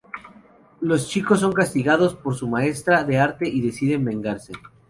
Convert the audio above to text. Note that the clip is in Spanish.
Los chicos son castigados por su maestra de arte y deciden vengarse.